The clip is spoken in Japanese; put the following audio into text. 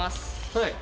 はい。